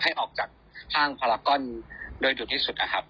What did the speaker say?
ให้ออกจากห้างพลาก้อนโดยด่วนที่สุดนะครับ